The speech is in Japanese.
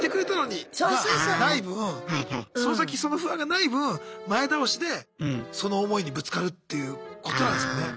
がない分その先その不安がない分前倒しでその思いにぶつかるっていうことなんすかね。